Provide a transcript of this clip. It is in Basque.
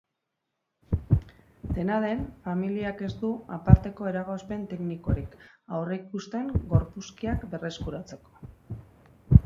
Dena den, familiak ez du aparteko eragozpen teknikorik aurreikusten gorpuzkiak berreskuratzeko.